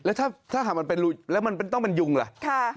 แล้วถ้ามันเป็นลูกแล้วมันต้องเป็นยุงหรือ